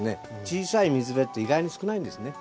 小さい水辺って意外に少ないんですね。